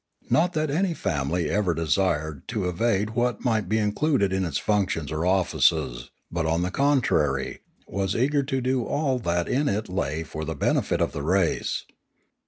Not that any family ever desired to evade what might be included in its functions or offices, but, on the contrary, was eager to do all that in it lay for the benefit of the race.